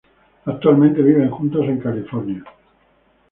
Actualmente viven juntos en California.